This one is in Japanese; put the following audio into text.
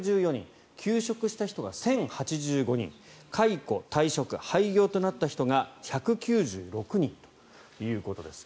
休職した人が１０８５人解雇、退職、廃業となった人が１９６人ということです。